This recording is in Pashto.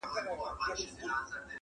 د بد زوی له لاسه ښه پلار ښکنځل کېږي -